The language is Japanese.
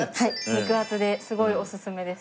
肉厚ですごいおすすめです。